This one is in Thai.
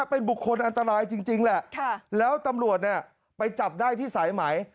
เป็นบุคคลอันตรายจริงแหละแล้วตำรวจเนี่ยไปจับได้ที่สายไหม